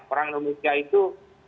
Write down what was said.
orang indonesia itu